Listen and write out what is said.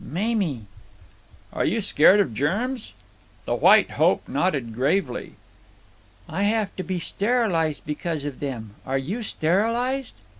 "Mamie." "Are you scared of germs?" The White Hope nodded gravely. "I have to be sterilized because of them. Are you sterilized?"